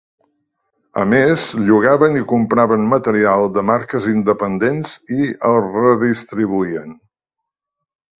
A més, llogaven i compraven material de marques independents i el redistribuïen.